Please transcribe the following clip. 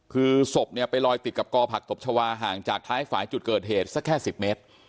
คือศพเนี่ยไปลอยติดกับกอผักตบชาวาห่างจากท้ายฝ่ายจุดเกิดเหตุสักแค่๑๐เมตร